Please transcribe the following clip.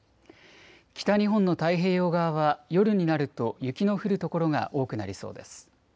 北日本の太平洋側は夜になると雪の降る所が多くなりそうです。